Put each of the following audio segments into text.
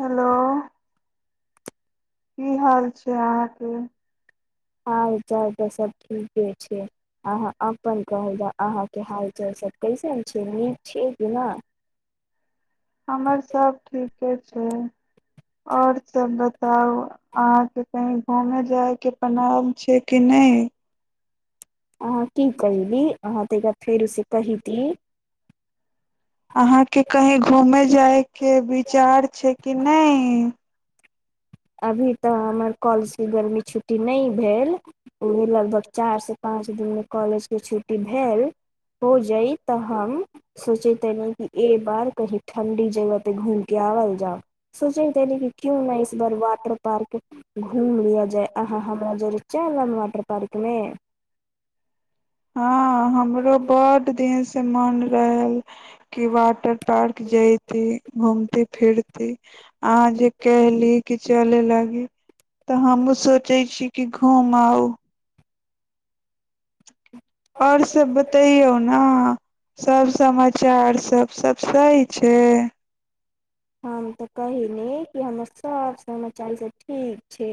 Hello की हाल छै अहाँके हाल चाल तऽ सभ ठीके छै अहाँ अपन कहल जाउ अहाँके हाल चाल सभ कैसन छै नीक छैिय कि नहि हमर सब ठीक के छै आओर सब बताउ अहाँके कही घुमे जाइके प्लान छै कि नहि अहाँ की कहली अहाँ तऽ एक बार फेर उे कही की अहाँके कहीं घूमेय जायके विचार छै कि नहि अभी तऽ हमर कॉलज गर्मी छुटी नहि भेल लगभग चार स पाँच दिन मे कॉलेज के छुट्टी भेल हो जाय तऽ हम सोचैत तनि कि एहि बार कही ठणंडी जगह पे घूम के आवल जाउ सोचैत तनि कि क्यो न इस बर वाटर पार्क घूम लिया जाय अहा हमरा जरे चलब वाटर पार्क मे समान रहल की वाटर पार्क जेतीे घूमते फिरतीे अहाँ जे कहली कि चले लागी तऽ हमूँ सोचै छी कि घूम आउ आओर सब बतैयो न सब समाचार सब सब सही छै हमाम तऽ कहि नी कि हमर सब समाचारी सभ ठीक छै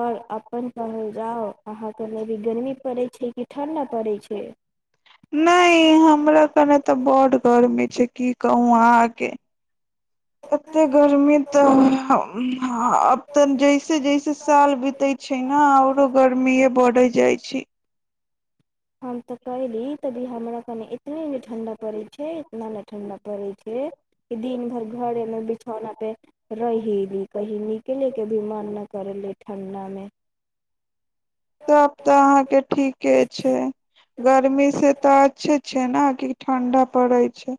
आओर अपन कहल जाउ अहाँके एनि अभी गर्मी पड़ैत छै कि ठण्डा पड़ैत छै नइ हमरा कने तऽ बड गर्मी छै की कहू अहाँ आगे एते गर्मी तऽ हम आब तऽ जैसे जैसे साल बीतै छै न आउरो गर्मीे बढ़ै जाइ छै छी हम तऽ कयली तभी हमरा कनि इतने ने ठंढा पड़ैत छै इतना न ठण्ढा पड़ैत छै कि दिन भरि घरेमे बिछौना पे रहि ली कहि निकलेे के भी मान ना करली ठण्डा मे छैय गर्मी से तऽ अच्छे छै न कि ठंडा पड़ै छै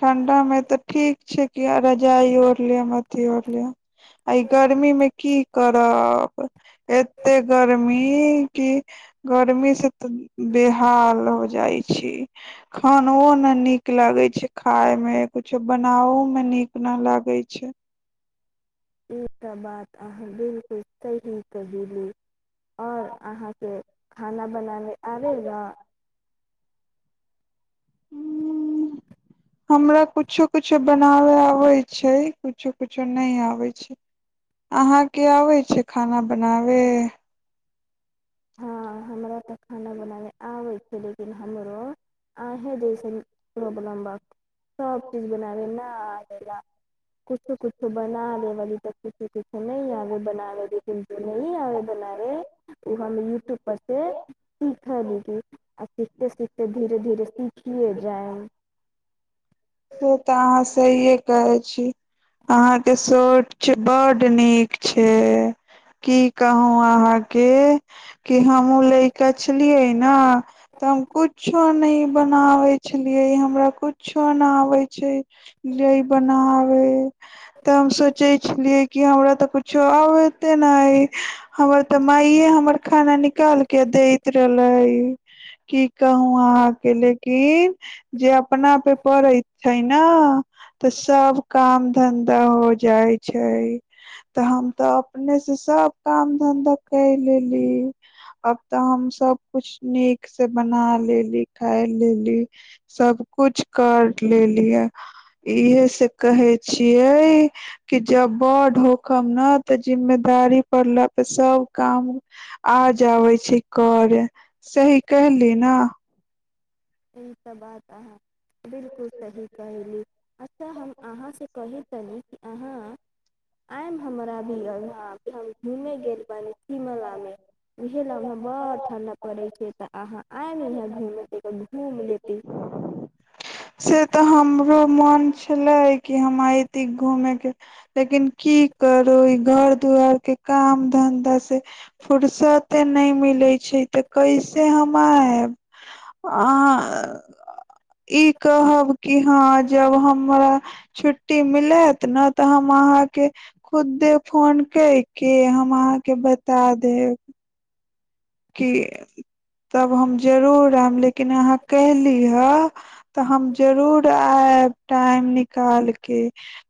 ठंडा मे तऽ ठीक छै कि रजाइ ओढ लिय अथी ओढ लिय आ ई गर्मी मे की करब एते गर्मी मी कि गरमी से त बेहाल हो जाइ छी खानओ न निक निका लागे छै खाय मे कुछो बनावो मे नीक न लागे छै ई त बात अहाँ बिलकुल सही कहिली आओर अहाँके खाना बनाबे आबै य ह हमरा कुछो कुछो बनाबय आबै छै किछो कछो नहि आबै छै अहाँके आबै छै खाना बनाबे हँ हमरा तऽ खाना बनाबै आबै छै लेकिन हमरो आहे जैयसन प्रॉब्लम बा सब चीज बनाबै न आबै लाऽ कछो कुछो बना लैवाली तऽ किछो किछो नहि आबे बनाबै लेकिन जे नहि आबे बनाबै ओ हम यूट्यूबपर से सीखली आ सीखते सीखते धीरे धीरे सीखियए जायब से तऽ अहाँ सहिए कहै छी अहाँके सर बड्ड नीक छै की कहू अहाँके कि हमूँ लैका छलियै ने तऽ हम कुछो ने बनावे छलिये हमरा कुछु जाउ नहाउ होइ छै लय बनाबे तऽ हम सोचै छलियै कि हमरा तऽ कुछो आबै एते न आइ हमर तऽ माये हमर खाना निकाल के दैत रहले की कहू अहाँके लेकिन जे अपना पे पड़ै छै न तऽ सब काम धंधा हो जाइ छै तऽ हम तऽ अपने से सब काम धंधा कय लेली अब तऽ हम सब कुछ नीक से बना लेली खाय लेली सब कुछ कर लेलियै इहे से कहे छियै कि जब बड़ होखम ने तऽ जिम्मेदारी पड़ला पर सब काम आ जाबे छै करे सही कहली न ई सब बात अहाँ बिलकुल सही कहली अच्छा हम अहाँसँ कहैत रहि कि अहाँ आयम हमरा भी यहाँ हम घूमे गेल बानी शिमला में उहे ला बड़ ठंडा पड़े छै त आहा आयम इहां घूमे घूम लेति से तऽ हमरो मोन छलै कि हम एयती घूमे के लेकिन की करो ई घर दुआर के काम धन्धा से फुरसते नहि मिले छै तऽ कैसे हम आयब आ ई कहब कि हँ जब हमरा छुट्टी मिलत ने तऽ हम अहाँके खुदे फोन कर के हम अहाँके बता देब कि तब हम जरूर आयब लेकिन अहाँ कहली हे तऽ हम जरूर आयब टाइम निकालके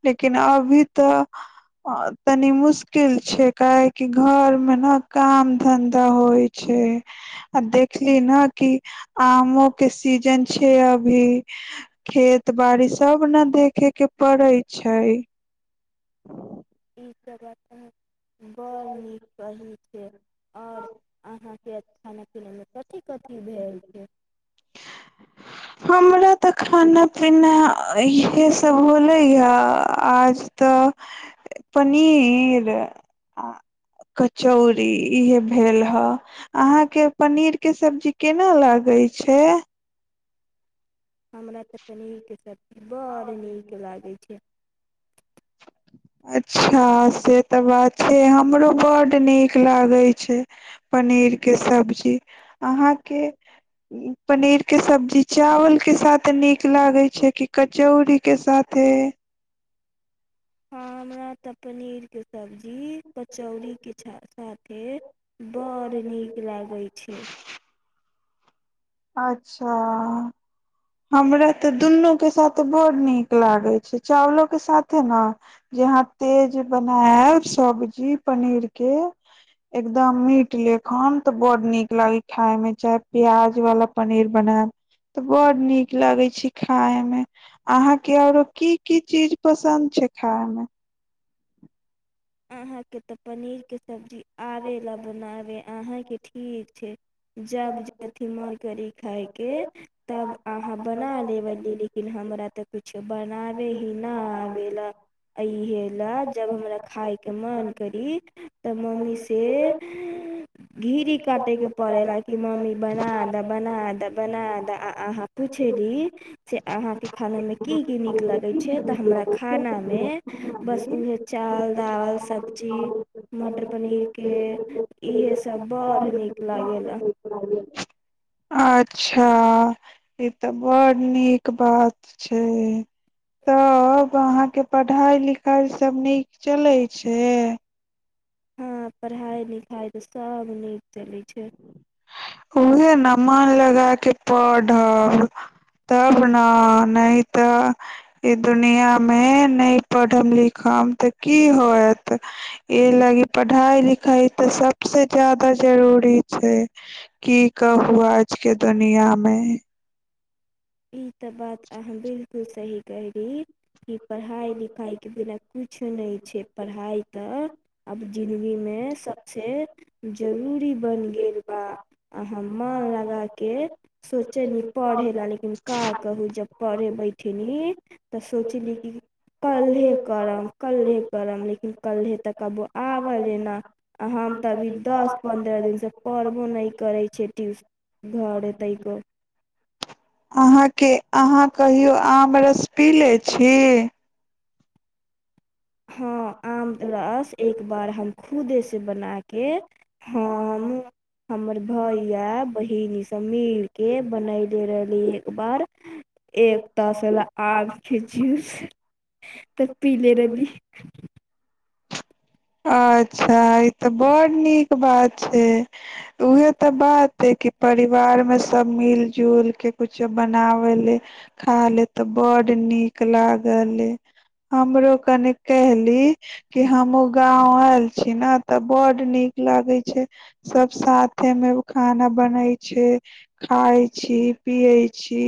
लेकिन अभी तऽ तनि मुश्किल छै काहेकि घरमे ने काम धन्धा होइ छै आ देखली ने कि आमो के सीजन छै अभी खेत बाड़ी सब ने देखे के पड़ै छै [unintelligible] ई तऽ बात है बड़ नीक कही आओर अहाँ कि हैत खाना पीना मे कथि कऽ कि भेल छै हमरा तऽ खाना पीना इहे सब होले हे आज तऽ पनीर कचौड़ी इहे भेल हे अहाँके पनीर के सब्जी केना लागै छै हमरा तऽ पनीर के सब बड़ नीक लागे छै अच्छा से तऽ बात छै हमरो बड्ड नीक लागै छै पनीरके सब्जी अहाँके पनीर के सब्जी चावल के साथ नीक लागै छै कि कचौड़ीके साथे हँ हमरा तऽ पनीरके सब्जी कचौड़ीके साथे बड़ नीक लागै छै अच्छा हमरा तऽ दुनू के साथे बड़ नीक लागे छै चावलो के साथे ने जेहाँ तेज बनायब सब्जी पनीर के एकदम मीट लेखन तऽ बड्ड नीक लागे खाय में चाहे प्याज वाला पनीर बनायब तऽ बड नीक लगै छै खाय मे अहाके आरो की की चीज पसन्द छै खाय मे अहाँके तऽ पनीर के सब्जी आबे ला बनाबे अहाँके ठीक छै जब जथि मोन करी खायके तब अहाँ बना लेबली लेकिन हमरा तऽ बनावे ही न आबेला इहे ले जब हमरा खाइ के मन करी तऽ मम्मी से घिरी काटे के पड़े ला कि मम्मी बना द बना द बना द अहाँ पूछेली से अहाँके खाना मे की की निक लगै छै तऽ हमरा खाना मे बस उहे चाव दाल सब्जी मटर पनीर के इहे सब बस बड़ नीक लागेला। अच्छा ई तऽ बड़ नीक बात छै तब अहाँके पढ़ाइ लिखाइसभ नीक चलै छै। हँ पढ़ाइ लिखाइ सब नीक चलै छै। उहे न मन लगे। गा के पढ़ब तब न नहि तऽ ई दुनिया मे नै पढ़ब लिखम ते की होयत इ लागी पढ़ाई लिखाई तऽ सबसे जादा जरूरी छै। की कहु आजके दुनियामे ई तऽ बात अहाँ बिलकल सही केहली कि पढ़ाइ लिखाई के बिना कुछ नइ छै पढ़ाइ तऽ अब जिन्दगी मे सबसे जरूरी बन गेल। बा आ हम मन लगा के सोचेली पढ़ेला लेकिन का कहू जब पर पढ़े बैठनी तऽ सोचली कि कल्हे करब कल्हे करब लेकिन कल्हे तऽ कबो आबेली ना आ हम तऽ अभी दस पन्द्रह दिनसँ पढ़बो नहि करै छिये ट्यूशन घरे तइको अहाँके अहाँ कहियौ आम रस पिले छी। हँ आम त रस एक बार हम खुदे से बना के हँ हम हमर भैया बहिन सभ मिलके बनयले रहली एक बार। [unintelligible] एक तसला आम के जूस तऽ पीले रहली [unintelligible] अच्छा ई तऽ बड़ नीक बात। छै उहे तऽ बात हइ कि परिवार मे सब मिल जुल के कुछो बनावे ले खा ले तऽ बड्ड नीक लागले। हमरो कनि केल कि हमो गाँंव आयल छी ने तऽ बड नीक लागे छैय सब साथे मे खाना बनै छैय खााय छी पिये छी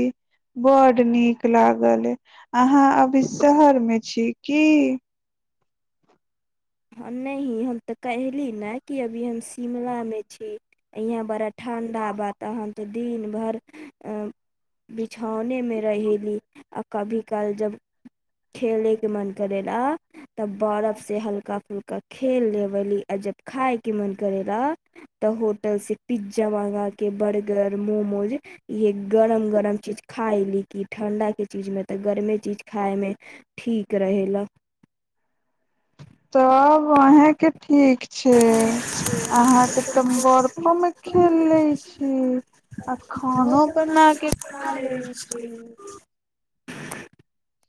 बड नीक लागल अहाँ अभी शहर में छी की? नहि हम तऽ कहली नय की अभी हम शिमलामे छी। यहाँ बड़ा ठण्ढा बा त हम तऽ दिन भरि [unintelligible] धने मे रह ली। कभी काल जब खेलैके मन करैेला तब बरफ से हल्का हुलका खेल लेबली आ जब खायके मन करेला तऽ होटल से पिज्जा मगा के बर्गर मोमोज इहे गरम गरम चीज खाायली कि ठंडा के चीज मे तऽ गर्मे चीज खायमे ठीक रहेला। तब अहें के ठीक छैय अहााँ के तऽ बर्फो मे खेल लय छी आ खानो बना के खा लय छी। [unintelligible]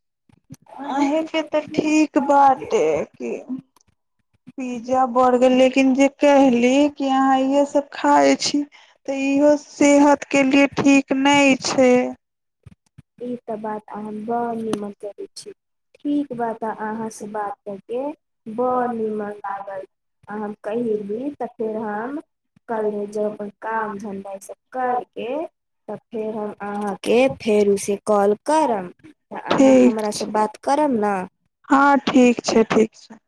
अहींके तऽ ठीक बाटे की पिज्जा बर्गर लेकिन जे कहली कि अहाँ इहे सब खाइ छी। तऽ इहो सेहत के लिये ठीक नहि छैय। ई त बात अहां बड़ नीमन [unintelligible] [unintelligible] ठीक बा तऽ अहाँसँ बात [unintelligible] के बड़ निमन लागल आहां कहिली तऽ फेर हम कले जबय काम धंधा स कर के तऽ फेर हम अहाँके फेर उस कॉल करम। तऽ अहाँ ठीक हमरा से छै बात करम न? हँ ठीक छैय, ठीक छैय।